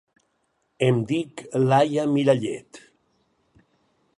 Em dic Laia Mirallet.